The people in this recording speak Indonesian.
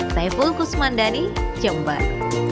saya fulkus mandani jombar